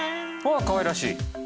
うわかわいらしい。